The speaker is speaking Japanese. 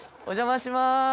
お邪魔します。